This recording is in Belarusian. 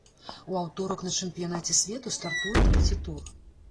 У аўторак на чэмпіянаце свету стартуе трэці тур.